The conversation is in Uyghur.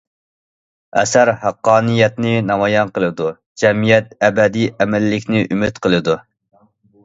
ئەسەر ھەققانىيەتنى نامايان قىلىدۇ، جەمئىيەت ئەبەدىي ئەمىنلىكنى ئۈمىد قىلىدۇ.